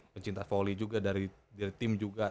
pencinta voli juga dari tim juga